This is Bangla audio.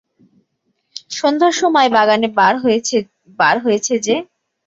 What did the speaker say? সন্ধ্যার সময় বাগানে বার হয়েছে যে!